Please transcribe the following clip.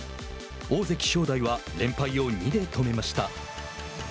大関・正代は連勝を２で止めました。